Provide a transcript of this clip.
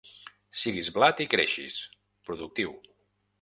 Siguis blat i creixis, productiu.